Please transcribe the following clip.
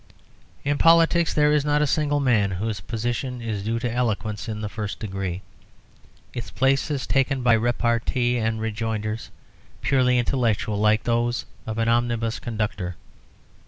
In politics there is not a single man whose position is due to eloquence in the first degree; its place is taken by repartees and rejoinders purely intellectual, like those of an omnibus conductor.